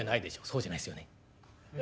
「そうじゃないっすよね。